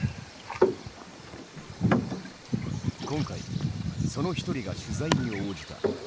今回その一人が取材に応じた。